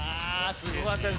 すごかったね。